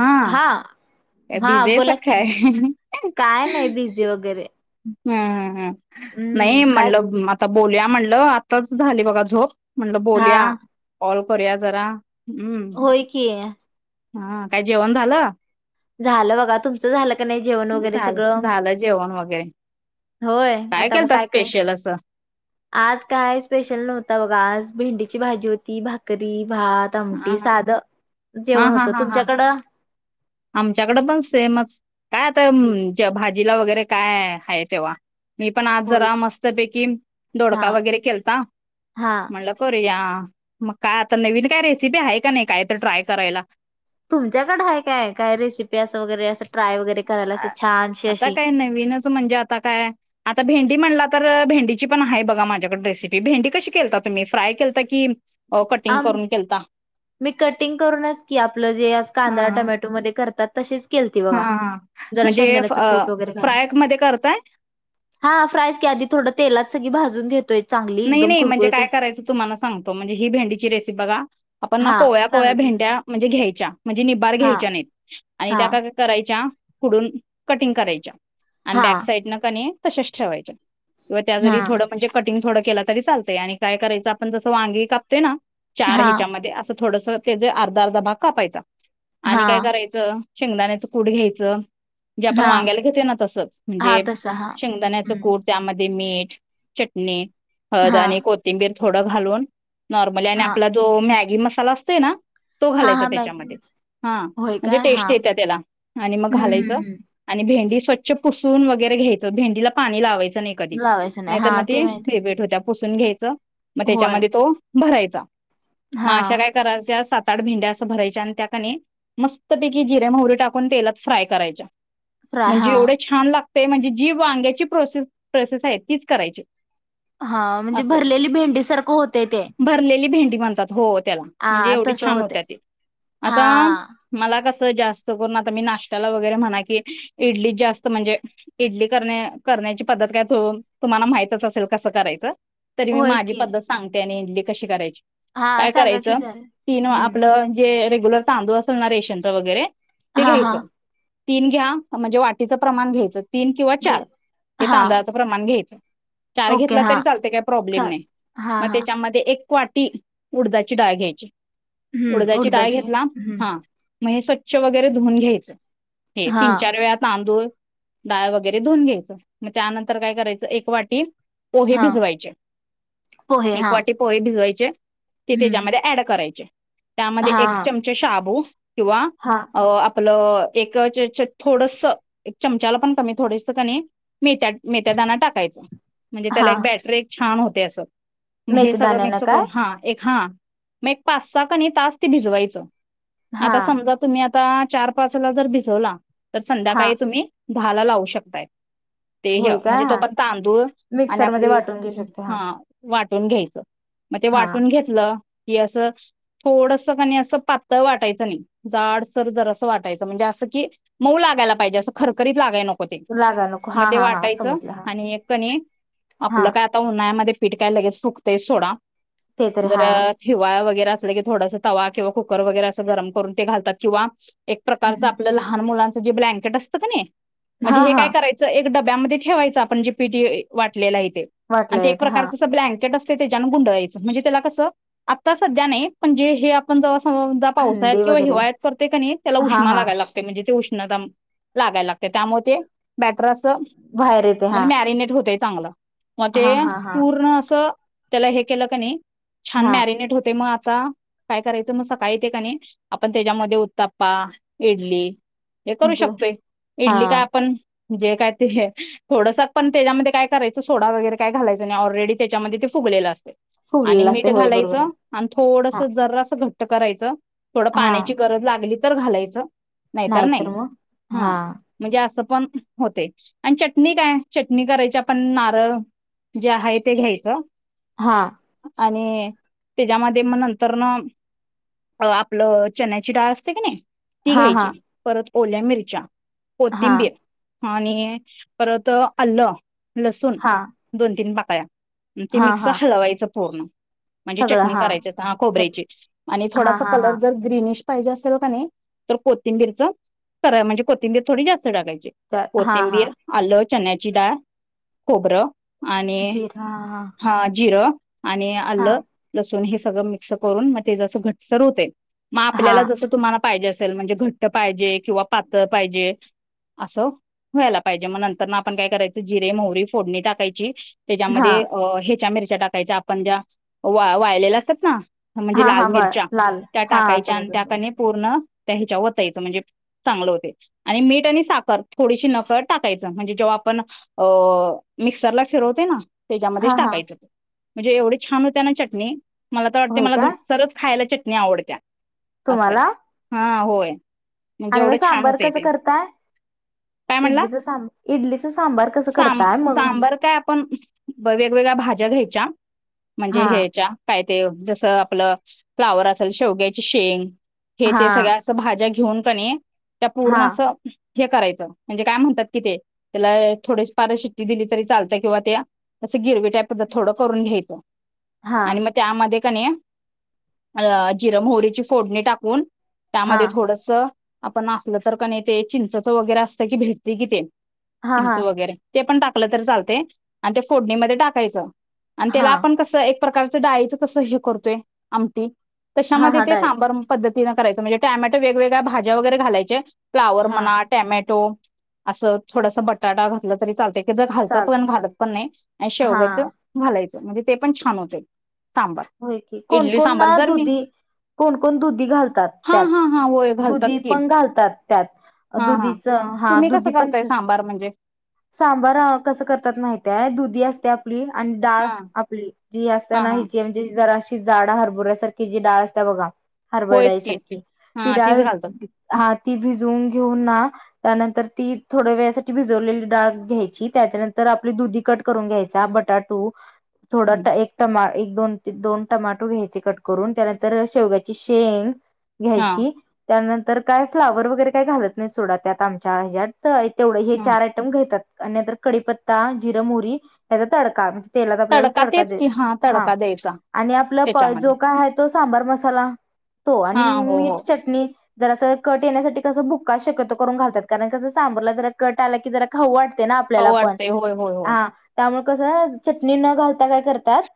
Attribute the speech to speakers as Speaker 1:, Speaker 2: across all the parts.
Speaker 1: हा काय
Speaker 2: हा
Speaker 1: बिझी आहेसा
Speaker 2: बोला की
Speaker 1: काय?
Speaker 2: काय [unintelligible] वगैरे.
Speaker 1: हम्म हम हम्, नाही
Speaker 2: हम्म काय
Speaker 1: म्हणलं आता बोलूया म्हणलं आताच झाली बघा झोप. म्हणलं
Speaker 2: हा
Speaker 1: बोलया, कॉल करूया जरा हम्म.
Speaker 2: होय की
Speaker 1: हा, काय जेवण झालं?
Speaker 2: झालं बघा तुमचं झालं का नाही जेवण वगैरे
Speaker 1: झालं
Speaker 2: सगळं.
Speaker 1: झालं जेवण वगैरे
Speaker 2: होय आता मग
Speaker 1: केलता
Speaker 2: काय कर
Speaker 1: स्पेशल असं?
Speaker 2: आज काय स्पेशल नव्हता बघा आज भेंडीची भाजी होती भाकरी, भात
Speaker 1: हा
Speaker 2: तमटी
Speaker 1: हा
Speaker 2: साध जेवण होतं, तुमच्याकडं?
Speaker 1: आमच्याकड पण सेमच काय आता भाजीला वगैरे काय हाय तेव्हा. मी पण आज
Speaker 2: होय
Speaker 1: जरा मस्तपैकी
Speaker 2: हा
Speaker 1: दोडका वगैरे केलता
Speaker 2: हा
Speaker 1: म्हणलं करूया मग काय आता नवीन काय रेसिपी आहे का नाही काय तर ट्राय करायला.
Speaker 2: तुमच्याकड आहे काय, काय रेसिपी असं वगैरे असं ट्राय वगैरे करायला असं छानशी
Speaker 1: आता
Speaker 2: अशी.
Speaker 1: काय नवीनच. म्हणजे आता काय? आता भेंडी म्हणला तर भेंडीची पण आहे बघा माझ्याकड रेसिपी भेंडी कशी केलता तुम्ही फ्राय केलता की अ कटिंग
Speaker 2: आम
Speaker 1: करून केलता.
Speaker 2: मी कटिंग करूनच की आपलं जे अस
Speaker 1: हा
Speaker 2: कांदा
Speaker 1: हा
Speaker 2: टोमॅटोमध्ये करतात तसेच केलती बघा,
Speaker 1: हा
Speaker 2: जरा
Speaker 1: म्हणजे
Speaker 2: शेंगदाण्याच कूट वगैरे घाल
Speaker 1: फ्राय मध्ये करता
Speaker 2: हा फ्राईज की आधी थोडं तेलात सगळी भाजून घेतोय. चांगली
Speaker 1: नाही
Speaker 2: एकदम
Speaker 1: नाही म्हणजे
Speaker 2: कुरकुरीत
Speaker 1: काय
Speaker 2: अशी.
Speaker 1: करायचं? तुम्हाला सांगतो म्हणजे ही भेंडीची रेसिपी बघा आपण ना
Speaker 2: हा
Speaker 1: कोळ्या कोळ्या
Speaker 2: सांगा की
Speaker 1: भेंड्या म्हणजे घ्यायच्या. म्हणजे निबार
Speaker 2: हा
Speaker 1: घ्यायच्या नाहीत आणि
Speaker 2: हा
Speaker 1: त्या का करायच्या पुुडून कटिंग करायच्या. आणि
Speaker 2: हा
Speaker 1: बॅक साइड न कनी तशेच ठेवायच्या किंवा त्या जरी
Speaker 2: हा
Speaker 1: थोडं म्हणजे कटिंग थोडं केला तरी चालतय आणि काय करायचं आपण जसं वांगी कापताय ना चार
Speaker 2: हा
Speaker 1: ह्याच्यामध्ये असं थोडस त्याचे अर्धा अर्धा भाग कापायचा आणि काय
Speaker 2: हा
Speaker 1: करायचं शेंगदाण्याचं कुट घ्यायचं. जे आपण
Speaker 2: हा
Speaker 1: वांग्याला घेतोय ना तसच
Speaker 2: हा
Speaker 1: म्हणजे
Speaker 2: तसा हा
Speaker 1: शेंगदाण्याच
Speaker 2: हम्म
Speaker 1: कुट त्यामध्ये मीठ, चटणी, हद
Speaker 2: हा
Speaker 1: आणि कोथिंबीर थोडं घालून नॉर्मली आणि
Speaker 2: हा
Speaker 1: आपला जो मॅगी मसाला असतोय ना तो
Speaker 2: हा
Speaker 1: घालायचा
Speaker 2: हा मॅगी
Speaker 1: त्याच्यामध्ये हा
Speaker 2: होय
Speaker 1: म्हणजे
Speaker 2: काय हा
Speaker 1: टेस्ट येत्या त्याला आणि मग
Speaker 2: हम्म
Speaker 1: घालायचं.
Speaker 2: हम्म हम्म
Speaker 1: आणि भेंडी स्वच्छ पुसून वगैरे घ्यायचं भेंडीला पाणी लावायचं नाही कधी
Speaker 2: लावायचं नाही
Speaker 1: नाहीत
Speaker 2: हा
Speaker 1: मग ते
Speaker 2: माहिती
Speaker 1: [unintelligible] पुसून घ्यायचं मग
Speaker 2: होय
Speaker 1: त्याच्यामध्ये तो भरायचा
Speaker 2: हा
Speaker 1: मग अशा काय कर [unintelligible] सात आठ भेंड्या असं भरायच्या आणि त्या कणी- मस्तपैकी जिऱ्या मोहरी टाकून तेलात फ्राय करायच्या.
Speaker 2: फ्राय
Speaker 1: म्हणजे
Speaker 2: हा
Speaker 1: एवढे छान लागतय म्हणजे जी वांग्याची प्रोसेस, प्रोसेस आहे तीच करायची.
Speaker 2: हा म्हणजे
Speaker 1: असं
Speaker 2: भरलेली भेंडीसारखं होतय ते.
Speaker 1: भरलेली भेंडी म्हणतात हो त्याला
Speaker 2: हा
Speaker 1: म्हणजे एवढी
Speaker 2: तसं
Speaker 1: छान
Speaker 2: होतय
Speaker 1: होत्या ती
Speaker 2: हा
Speaker 1: आता मला कसं जास्त करून आता मी नाशत्याला वगैरे म्हणा की इडली जास्त म्हणजे इडली कर करण्याची पद्धत काय [unintelligible] तुम्हाला माहितच असेल. कसं करायचं तरी मी
Speaker 2: होय
Speaker 1: माझी
Speaker 2: की
Speaker 1: पद्धत सांगते आणि इडली कशी करायची.
Speaker 2: हा
Speaker 1: काय
Speaker 2: सांगा की
Speaker 1: करायचं
Speaker 2: जरा
Speaker 1: की न
Speaker 2: हम्म
Speaker 1: आपलं जे रेग्युलर तांदूळ असेल ना रेशनच वगैरे ते
Speaker 2: हा हा
Speaker 1: घ्यायचं. तीन घ्या म्हणजे वाटीचं प्रमाण घ्यायचं तीन किंवा
Speaker 2: घे
Speaker 1: चार हे
Speaker 2: हा
Speaker 1: तांदळाचं प्रमाण घ्यायचं चार
Speaker 2: ओके
Speaker 1: घेतला
Speaker 2: हा
Speaker 1: तरी चालते काय प्रॉब्लेम
Speaker 2: चाल
Speaker 1: नाय
Speaker 2: हा
Speaker 1: म
Speaker 2: हा
Speaker 1: त्याच्यामध्ये एक वाटी उडदाची डाळ घ्यायची.
Speaker 2: हम्म
Speaker 1: उडदाची डाळ घेतला
Speaker 2: हम्म
Speaker 1: हा म हे स्वच्छ वगैरे धुऊून घ्यायचं. हे
Speaker 2: हा
Speaker 1: तीन चार वेळा तांदूळ- डाळ वगैरे धुऊन घ्यायचं. म त्यानंतर काय करायचं एक वाटी पोहे
Speaker 2: हा
Speaker 1: भिजवायचे
Speaker 2: पोहे
Speaker 1: एक
Speaker 2: हा
Speaker 1: वाटी पोहे भिजवायचे ते
Speaker 2: हम्म
Speaker 1: त्याज्यामध्ये ऍड करायचे त्यामध्ये
Speaker 2: हा
Speaker 1: एक चम चे शाबू किंवा
Speaker 2: हा
Speaker 1: अ आपलं एक च च थोडस एक चमचाला पण कमी थोडेस कनी मेथ्या मेथ्यादाना टाकायचं. म्हणजे त्याला
Speaker 2: हा
Speaker 1: एक बॅटर एक छान होतय असं, म हे सगळं
Speaker 2: मेथीदाण्यानं
Speaker 1: मिक्स करून
Speaker 2: काय
Speaker 1: हा एक हा- म एक पाचसहा कनय तास ते भिजवायचं
Speaker 2: हा
Speaker 1: आता समजा तुम्ही आता चार पाच ला जर भिजवला तर
Speaker 2: हा
Speaker 1: संध्याकाळी तुम्ही दहाला लावू शकताय. ते ह्य
Speaker 2: होय काय
Speaker 1: म्हणजे तो
Speaker 2: हा
Speaker 1: पर्यंत तांदूळ आणि
Speaker 2: मिक्सरमध्ये
Speaker 1: आपली
Speaker 2: वाटून घेऊ शकते हा
Speaker 1: ह वाटून घ्यायचं म ते
Speaker 2: हा
Speaker 1: वाटून घेतलं की असं- थोडसं कनय असं पातळ वाटायचं नाई जाडसर जरास वाटायचं म्हणजे असं की- मऊ लागायला पाहिजे असं खरखरीत लागायला नको ते
Speaker 2: लागा नको
Speaker 1: म
Speaker 2: हा
Speaker 1: ते
Speaker 2: हा हा
Speaker 1: वाटायचं
Speaker 2: समजलं हा
Speaker 1: आणि एक कणी
Speaker 2: हा
Speaker 1: आपलं काय आता उन्हाळ्यामध्ये पीठ काय लगेचं सुकतय सोडा
Speaker 2: ते तर
Speaker 1: जर
Speaker 2: हा
Speaker 1: हिवाळ वगैरे असला की थोडासा तवा किंवा कुकर वगैरे असं गरम करून ते घलतात किंवा एक प्रकारचं आपलं लहान मुलांचं जे ब्लँकेट असतं कनय
Speaker 2: हा
Speaker 1: म्हणजे हे
Speaker 2: हा
Speaker 1: काय कराय चं एक डब्बा मध्ये ठेवायच आपण जे पीठ ये वाटलेले हाय ते
Speaker 2: वाटले
Speaker 1: आणि ते एक
Speaker 2: येत हा
Speaker 1: प्रकारच ब्लॅंकेट अस त त्याच्याने गुंडळायचं म्हणजे त्याला कस आता सध्या नाय पण जे हे आपण जवा पावसाळ्यात
Speaker 2: थंडी
Speaker 1: किंवा
Speaker 2: वगैरे
Speaker 1: हिवाळ्यात करतोय कनी त्याला
Speaker 2: हा
Speaker 1: उष्मा
Speaker 2: हा
Speaker 1: लागायला लाग म्हणजे ते उष्णता लागायला लागतय त्यामुळ ते बॅटर असं
Speaker 2: बाहेर येते हा
Speaker 1: म्हणजे मॅरिनेट होतंय चांगलं. म ते
Speaker 2: हा हा हा
Speaker 1: पूर्ण अस त्याला हे केलं कनय छान
Speaker 2: हा
Speaker 1: मॅरिनेट होतय म आता काय करायचं म सकाळी तेे कनी आपण त्याच्यामध्ये उत्ताप्पा, इडली हे करू
Speaker 2: द
Speaker 1: शकतोय
Speaker 2: हा
Speaker 1: इडली काय आपण- जे काय ते थोडसकं पण त्याज्यामध्ये काय करायचं सोडा वगैरे काय घालायचं नाय ऑलरेडी त्याच्यामध्ये ते फुगलेलं असतय आणि
Speaker 2: फुगलेला असते
Speaker 1: मीठ
Speaker 2: होय बरोबर
Speaker 1: घालायचं.
Speaker 2: आहे
Speaker 1: आणि
Speaker 2: हा
Speaker 1: थोडस जरासं घट्ट करायचं थोडं
Speaker 2: हा
Speaker 1: पाण्याची गरज लागली तर घालायचं नाय तर नाय
Speaker 2: नाहीतर मग
Speaker 1: हा म्हणजे असं पण होतय आणि चटणी काय चटणी करायची आप पण नारळ जे हाय ते घ्यायचं.
Speaker 2: हां
Speaker 1: आणि त्याज्यामध्ये म नंतर न अ आपलं चण्याची डाळ असते क नय ती
Speaker 2: हा हा
Speaker 1: घ्यायची परत ओल्या मिरच्या,
Speaker 2: हा
Speaker 1: कोथिंबीर आणि परत आल्लं लसूण
Speaker 2: हा
Speaker 1: दोन तीन पाकळ्या अनं ते
Speaker 2: हा
Speaker 1: मिक्स
Speaker 2: हा
Speaker 1: हलवायचं पूर्ण म्हणजे चटणी करायची हा
Speaker 2: चट
Speaker 1: खोबऱ्याची आणि
Speaker 2: हा
Speaker 1: थोडासा
Speaker 2: हा हा
Speaker 1: कलर जर ग्रीनिश पाहिजे असल कनय तर कोथिंबीरच करा म्हणजे कोथिंबीर थोडी जास्त टाकायची.
Speaker 2: तर हा हा
Speaker 1: कोथिंबीर, आलं, चन्याची डाळ खोबरं आणि हा, जिरं आणि
Speaker 2: हा
Speaker 1: आलं- लसूून हे सगळं मिक्स करून, मग ते जसं घटसर होतय, मग
Speaker 2: हा
Speaker 1: आपल्याला जस तुम्हाला- पाहिजे असेल, म्हणजे घट्ट पाहिजे किंवा पातळ पाहिजे- असं व्हायला पाहिजे, मग नंतरन आपण काय करायच- जिरे, मोहरी फोडणी टाकायची,
Speaker 2: हा
Speaker 1: त्यामध्ये हे- च्या मिरच्या टाकायच्या, आपण ज्या वाळलेल्या असतात ना- म्हणजे
Speaker 2: हा
Speaker 1: लाल
Speaker 2: हा बळ
Speaker 1: मिरच्या,
Speaker 2: लाल
Speaker 1: त्या
Speaker 2: हा हा
Speaker 1: टाकायच्या आणि त्या की
Speaker 2: समजलं
Speaker 1: नाही पूर्ण त्या ह्याच्या वतायचं म्हणजे- चांगलं होतय आणि मीठ आणि साखर थोडीशी नकळत टाकायच, म्हणजे जेव्हा आपण- अ.. मिक्सरला फिरवते ना,
Speaker 2: हा
Speaker 1: त्याच्यामध्येच
Speaker 2: हा
Speaker 1: टाकायचं. म्हणजे, एवढी छान होत्या ना चटणी, मला तर वाटतय
Speaker 2: होय
Speaker 1: मला
Speaker 2: काय
Speaker 1: घटसरच खायला चटणी आवडत्या. असंय,
Speaker 2: तुम्हाला
Speaker 1: हा होय. म्हणजे
Speaker 2: आणि मग
Speaker 1: एवढं छान
Speaker 2: सांबार
Speaker 1: होतय
Speaker 2: कसं
Speaker 1: ते
Speaker 2: करताय?
Speaker 1: काय म्हणला?
Speaker 2: इडलीच सांब- इडलीच सांबार- कसं करताय
Speaker 1: सांब-
Speaker 2: मग म्हणलं
Speaker 1: सांबर काय आपण- वेगवेगळ्या भाज्या घ्यायच्या, म्हणजे
Speaker 2: हा
Speaker 1: हेच्या- काय ते, जसं आपलं फ्लावर असेल, शेवग्याची शेंग, हे
Speaker 2: हा
Speaker 1: ते सगळ्या- अस भाज्या घेऊन का नाही, त्या
Speaker 2: हा
Speaker 1: पूर्ण असं- हे करायचं, म्हणजे काय म्हणतात कि ते, त्याला- थोडीशी पार शिट्टी दिली तरी चालतय किंवा त्या असं गिरवी टायप थोडंसं करून घ्यायचं.
Speaker 2: हा
Speaker 1: आणि मग त्यामध्ये क नाही अ.. जिरे मोहरीची फोडणी टाकून-
Speaker 2: हा
Speaker 1: त्यामध्ये थोडस आपण असलं तर का नाही, ते चिंचचं वगैरे असतंय की, भेटतय की ते-
Speaker 2: हा, हा.
Speaker 1: चिंच वगैरे ते पण टाकलं तर चालतंय, अन् ते फोडणीमध्ये टाकायचं, त्याला
Speaker 2: हा
Speaker 1: आपण कसय- प्रकारचं डाळीचं कसं हे करतोय, आमटी
Speaker 2: हा
Speaker 1: तशामध्ये
Speaker 2: हा
Speaker 1: ते
Speaker 2: डाळीचं
Speaker 1: सांबर- पद्धतीने करायच, म्हणजे टोमॅटो वेगवेगळ्या भाज्या वगैरे घालायचे, फ्लॉवर
Speaker 2: हा
Speaker 1: म्हणा- टॉमॅटो असं थोडस बटाटा घातला तरी चालतय. एकजन घालतात
Speaker 2: चालत
Speaker 1: पण, घालत पण नाही आणि
Speaker 2: हा
Speaker 1: शेवगाचं घालायचं म्हणजे ते पण छान होतय.
Speaker 2: होय की, कोण, कोण ना दुधी- कोण, कोण दुधी घालतात त्यात,
Speaker 1: हां, हां, हां. होय घालतात
Speaker 2: दुधी
Speaker 1: की.
Speaker 2: पण घालतात त्यात.
Speaker 1: हां, हां.
Speaker 2: दुधीच, हा
Speaker 1: तुम्ही
Speaker 2: दुधी
Speaker 1: कसं
Speaker 2: पण-
Speaker 1: करताय सांबार म्हणजे?
Speaker 2: सांबार अ कसं करतात माहितीये? दुधी असत्या - आपली आणि डाळ
Speaker 1: हां,
Speaker 2: आपली जी
Speaker 1: हां,
Speaker 2: असत्याना ही
Speaker 1: हां.
Speaker 2: - म्हणजे, जराशी जाड हरभुऱ्यासारखी जी डाळ असत्या बघा- हरभरा
Speaker 1: होयच की.
Speaker 2: डाळीसारखी. ती
Speaker 1: हां, तीच
Speaker 2: डाळ
Speaker 1: घालतात.
Speaker 2: हा ती भिजून घेऊन ना- त्यानंतर, ती थोड्या वेळासाठी भिजवलेली डाळ घ्यायची, त्याच्यानंतर आपली दुधी कट करून घ्यायचा. बटाट- टु थोडा
Speaker 1: हं.
Speaker 2: ट एक टमा एक- दोन ते दोन टमाटो घ्यायचे कट करून, त्यानंतर शेवग्याची शेंग
Speaker 1: हां,
Speaker 2: घ्यायची- त्यानंतर काय फ्लावर वगैरे काही घालत नाही, सोडा त्यात आमच्या हेच्यात. होय, तेवढं हे
Speaker 1: हं.
Speaker 2: चार आयटम घेतात आणि नंतर कडीपत्ता, जिर, मोहरी याचा तडका- तेलात आपल्याला तडका
Speaker 1: तेच
Speaker 2: दे.
Speaker 1: की हां,
Speaker 2: हा.
Speaker 1: तडका द्यायचा
Speaker 2: आणि आपलं
Speaker 1: त्याच्यामध्ये.
Speaker 2: जो काय आहे तो सांबर मसाला तो आणि
Speaker 1: हां, हो, हो.
Speaker 2: मीठ, चटणी. जरासं कट येण्यासाठी कसं बुक्का शक्यतो करून घालतात, कारण कसं सांबरला जरा कट आला की जरा- खाऊ वाटतय ना
Speaker 1: खाऊ
Speaker 2: आपल्याला पण,
Speaker 1: वाटते. होय, होय, होय.
Speaker 2: हा त्यामुळे कसं चटणी न घालता काय करतात-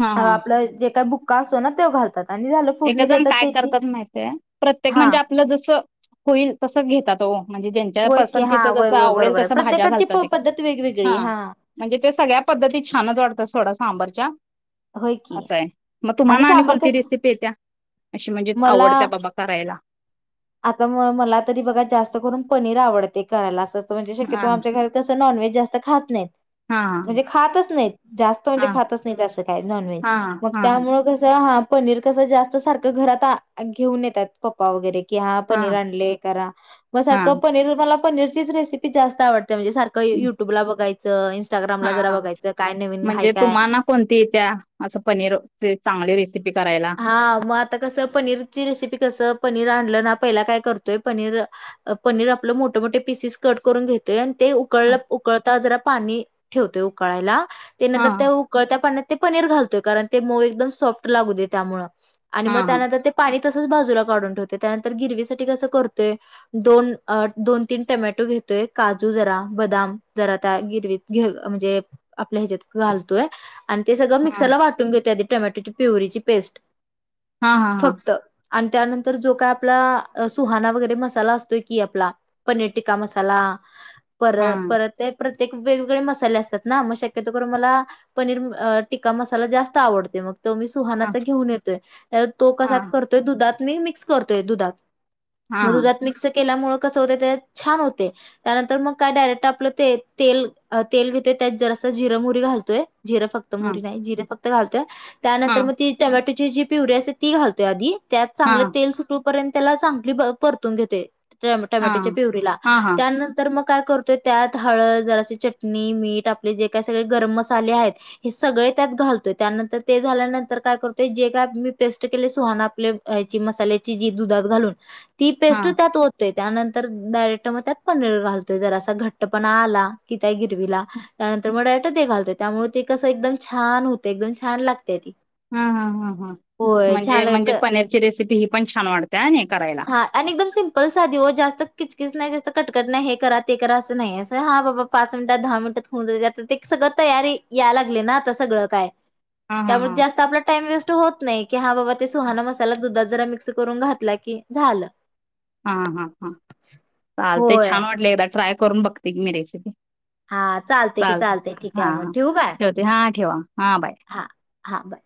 Speaker 1: हां, हां.
Speaker 2: आपलं जे काही बुक्का असतो ना, त्यो घालतात आणि झालं. फोडणी
Speaker 1: एकेकजण
Speaker 2: देतात
Speaker 1: काय
Speaker 2: त्याची
Speaker 1: करतात माहित्या, प्रत्येकजण
Speaker 2: हा
Speaker 1: म्हणजे आपलं जस होईल तसं घेतात हो. म्हणजे ज्यांच्या
Speaker 2: होय की हा
Speaker 1: पसंतीच
Speaker 2: वय
Speaker 1: जस
Speaker 2: वय
Speaker 1: आवडेल
Speaker 2: बरोबर आहे
Speaker 1: तस, भाज्या
Speaker 2: प्रत्येकाची
Speaker 1: घालतात.
Speaker 2: प- पद्धत वेगवेगळी
Speaker 1: हा. म्हणजे ते सगळ्या पद्धती छानच वाटतात, सोडा सांबरच्या.
Speaker 2: होय की.
Speaker 1: मग तुम्हाला आणि
Speaker 2: सांबार
Speaker 1: कोणती
Speaker 2: कस
Speaker 1: रेसिपी येत्या? अशी म्हणजेच,
Speaker 2: मला
Speaker 1: आवडत्या बाबा करायला.
Speaker 2: आता म मला तरी बघा. जास्त करून पनीर आवडतय करायला. असंं म्हणजे,
Speaker 1: हा
Speaker 2: शक्यतो आमच्या घरात कसं, नॉनव्हेज जास्त खात नाहीत.
Speaker 1: हा
Speaker 2: म्हणजे खातच नाहीत. जास्त म्हणजे,
Speaker 1: हा
Speaker 2: खातच नाहीत. असं काय, नॉनव्हेज.
Speaker 1: हा
Speaker 2: मग
Speaker 1: हा
Speaker 2: मग कसं, हा. पनीर कसं जास्त सारखं घरात घेऊन आ घेऊन येत्यात. पप्पा वगैरे. की हा पनीर आणलय करा. मग
Speaker 1: हा
Speaker 2: सारखं पनीर मला, पनीरचीच रेसिपी जास्त आवडत्या. म्हणजे सारखं युट्यूबला बघायचं. इंस्टाग्रामला जरा
Speaker 1: हा
Speaker 2: बघायचं. काय नवीन हाय
Speaker 1: म्हणजे
Speaker 2: काय
Speaker 1: तुम्हाला कोणती येत्या. असं पनीर ची चांगली रेसिपी करायला.
Speaker 2: हा मग आता कसं. पनीरची रेसिपी कसं. पनीर आणलं ना. पहिला काय करतोय, पनीर पनीर आपलं मोठं मोठे पिसेस कट करून घेतोय. अन् ते
Speaker 1: हा
Speaker 2: उकळलं, उकळता जरा पाणी ठेवतोय उकळायला. ते
Speaker 1: हा
Speaker 2: नंतर त्या उकळत्या पाण्यात ते पनीर घालतोय. कारण, ते मऊ एकदम सॉफ्ट लागू दे त्यामुळं. आणि
Speaker 1: हा
Speaker 2: मग
Speaker 1: हा
Speaker 2: त्यानंतर ते पाणी तसंच बाजूला काढून ठेवते. त्यानंतर गिरवीसाठी कसं करतोय दोन, अ दोन - तीन टमॅटो घेतोय. काजू जरा, बदाम जरा, त्या गिरवीत. घेउ म्हणजे, आपल्या ह्याच्यात घालतोय. आणि ते सगळं
Speaker 1: हा
Speaker 2: मिक्सरला वाटून घेतोय. आधी टोमॅटोची प्युरीची पेस्ट.
Speaker 1: हा हा हा
Speaker 2: फक्त. आणि त्यानंतर जो काय आपला. सुहाणा वगैरे मसाला असतोय की, आपला. पनीर टिक्का मसाला. पर
Speaker 1: हा
Speaker 2: परत ते प्रत्येक वेगवेगळे मसाले असतात ना. मग शक्यतो करून मला, पनीर टिक्का मसाला जास्त आवडतोय. तो मग मी
Speaker 1: हा
Speaker 2: सुहानाचा घेऊन येतोय. तो कसा
Speaker 1: हा
Speaker 2: कर दुधात मी मिक्स करतोय, दुधात.
Speaker 1: हा
Speaker 2: मग दुधात मिक्स केल्यामुळं कसं, होतय. ते छान होतय. त्यानंतर मग काय, डायरेक्ट आपलं ते तेल, तेल घेतोय. त्यात जरास जिरं - मोहरी घालतोय. जिरं फक्त
Speaker 1: हा हा
Speaker 2: मोहरी नाही. जिरं फक्त घालतोय.
Speaker 1: हा
Speaker 2: त्यानंतर मग ती टोमॅटोची जी पिवरी असत्या, ती घालतोय आधी. त्यात चांगलं
Speaker 1: हा
Speaker 2: तेल सुटुपर्यंत. त्याला चांगली परतून घेतोय. टॉम -
Speaker 1: हा
Speaker 2: टमॅटोच्या
Speaker 1: हा
Speaker 2: पिवरीला.
Speaker 1: हा
Speaker 2: त्यान नंतर मग काय करतोय. त्यात हळद, जराशी चटणी, मीठ, आपले जे काय, सगळे गरम मसाले आहेत हे सगळे त्यात घाल तोय. त्यानंतर ते झाल्यानंतर, काय करतोय? जे काय मी पेस्ट केले. सुहाना आपले हे मसाल्या ची दुधात घालून. ती पेस्ट त्यात ओत त्यानंतर डायरेक्ट मग त्यात पनीर घालतोय. जरा असा घट्टपणा आला कि, त्या गिरवीला. त्यानंतर मग डायरेट ते घालतोय. त्यामुळे ते कसं एकदम छान होतं. एकदम छान लागतेय ती.
Speaker 1: हा, हां, हां, हां.
Speaker 2: होय
Speaker 1: म्हणजे-
Speaker 2: छान
Speaker 1: म्हणजे पनीरची रेसिपी ही पण छान वाटते. अन् करायला.
Speaker 2: हा आणि एकदम सिम्पल साधी ओ. जास्त किचकीच नाही, जास्त कटकट नाही. हे करा, ते करा, असं नाही. असं हा बाबा पाच मिनिटात, दहा मिनिटात होऊन जाता. आता ते सगळं तयारी, याय लागले ना. आता सगळं काय.
Speaker 1: हा हा
Speaker 2: त्यामुळे
Speaker 1: हा
Speaker 2: जास्त आपला टाइम वेस्ट होत नाही. की, हा बाबा ते सुहाना मसाला, दुधात जरा मिक्स करून घातला की, झालं.
Speaker 1: हा, हा, हा. चालतय.
Speaker 2: होय
Speaker 1: छान वाटले. एकदा ट्राय करून बघते मी, रेसिपी.
Speaker 2: हा चालते की
Speaker 1: चालत.
Speaker 2: चालते ठीक
Speaker 1: हा
Speaker 2: आहे मग ठेवू काय?
Speaker 1: ठेवते. हा ठेवा. हा, बाय.
Speaker 2: हा बाय.